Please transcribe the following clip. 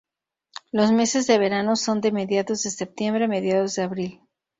Los meses de verano son de mediados de septiembre a mediados de abril.